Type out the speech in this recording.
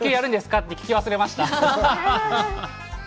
って聞き忘れました。